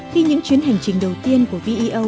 khi những chuyến hành trình đầu tiên của vio